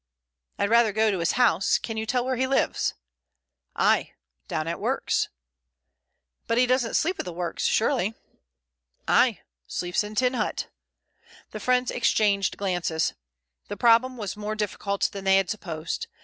"I'd rather go to his house. Can you tell where he lives?" "Ay. Down at works." "But he doesn't sleep at the works surely?" "Ay. Sleeps in tin hut." The friends exchanged glances. Their problem was even more difficult than they had supposed.